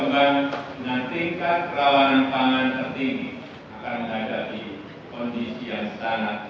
dan itu akan menyebabkan semua perantau dan jamur